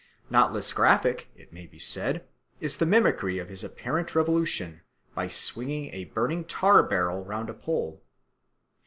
Not less graphic, it may be said, is the mimicry of his apparent revolution by swinging a burning tar barrel round a pole.